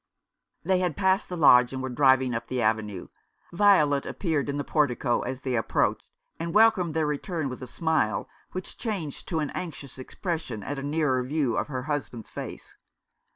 They had passed the lodge, and were driving up the avenue. Violet appeared in the portico as they approached, and welcomed their return with a smile which changed to an anxious expression at a nearer view of her husband's face.